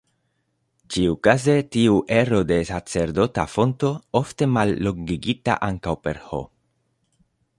Ĉiukaze, tiu ero de sacerdota fonto, ofte mallongigita ankaŭ per "H".